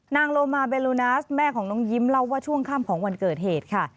โลมาเบลูนาสแม่ของน้องยิ้มเล่าว่าช่วงค่ำของวันเกิดเหตุค่ะ